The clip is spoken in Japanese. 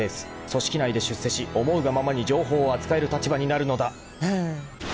［組織内で出世し思うがままに情報を扱える立場になるのだ］